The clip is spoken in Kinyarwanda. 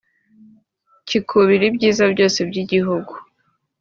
kikubira ibyiza byose by’igihugu